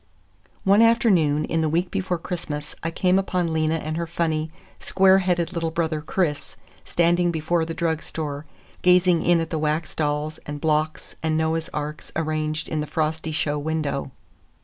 One afternoon in the week before Christmas I came upon Lena and her funny, square headed little brother Chris, standing before the drug store, gazing in at the wax dolls and blocks and Noah's arks arranged in the frosty show window.